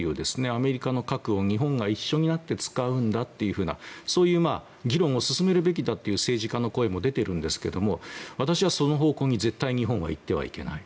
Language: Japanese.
アメリカの核を日本が一緒になって使うんだというふうな議論を進めるべきだという政治家の声も出ているんですが私は、その方向に絶対日本はいってはいけない。